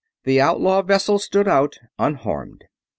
The outlaw vessel stood out, unharmed.